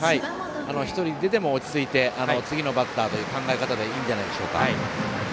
１人出ても落ち着いて次のバッターという考え方でいいんじゃないでしょうか。